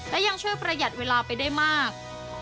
และยังช่วยประหยัดเวลาไปได้มาก